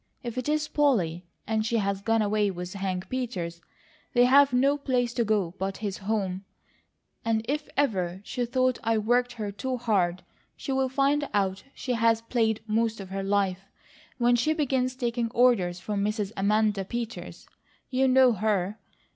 If it is Polly, and she has gone away with Hank Peters, they've no place to go but his home; and if ever she thought I worked her too hard, she'll find out she has played most of her life, when she begins taking orders from Mrs. Amanda Peters. You know her!